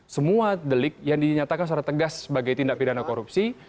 semua delik yang dinyatakan secara tegas sebagai tindak pidana korupsi